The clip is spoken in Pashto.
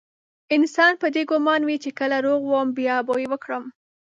انسان په دې ګمان وي چې کله روغ وم بيا به يې وکړم.